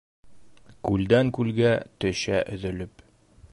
Күлдән-күлгә төшә өҙөлөп.